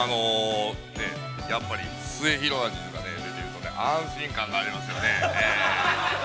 ◆やっぱりすゑひろがりずが出ているので、安心感がありますよね。